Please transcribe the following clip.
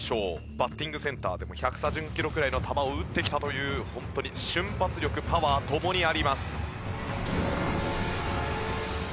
バッティングセンターでも１３０キロぐらいの球を打ってきたというホントに瞬発力パワー共にあります。